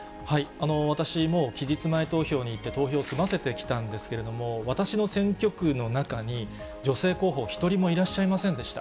私、もう期日前投票に行って投票済ませてきたんですけれども、私の選挙区の中に、女性候補一人もいらっしゃいませんでした。